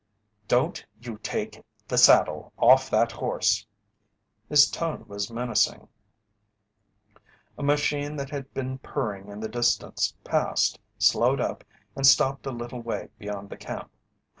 "Don't you take the saddle off that horse!" His tone was menacing. A machine that had been purring in the distance passed, slowed up, and stopped a little way beyond the camp.